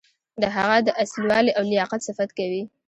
د هغه د اصیل والي او لیاقت صفت کوي.